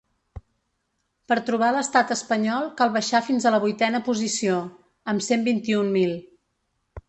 Per trobar l’estat espanyol cal baixar fins a la vuitena posició, amb cent vint-i-un mil.